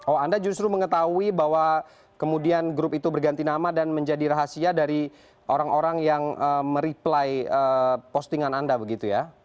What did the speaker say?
oh anda justru mengetahui bahwa kemudian grup itu berganti nama dan menjadi rahasia dari orang orang yang mereply postingan anda begitu ya